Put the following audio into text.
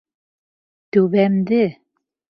Түбәмде!